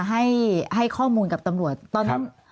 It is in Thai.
ให้ข้อมูลกับตำรวจตอนนั้น